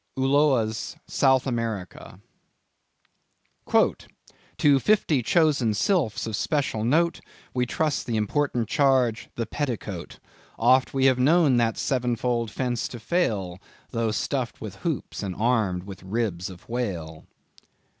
—Ulloa's South America. "To fifty chosen sylphs of special note, We trust the important charge, the petticoat. Oft have we known that seven fold fence to fail, Tho' stuffed with hoops and armed with ribs of whale."